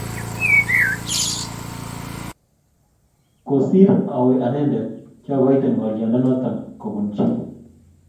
Kosiir awe anendet kyokoite ngolyondonoto kobun chii